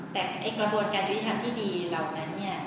แต่กระบวนการยุติธรรมที่ดีเหล่านั้นเนี่ย